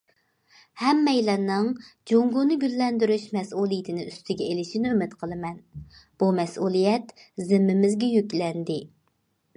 ‹‹ ھەممەيلەننىڭ جۇڭگونى گۈللەندۈرۈش مەسئۇلىيىتىنى ئۈستىگە ئېلىشىنى ئۈمىد قىلىمەن، بۇ مەسئۇلىيەت زىممىمىزگە يۈكلەندى››.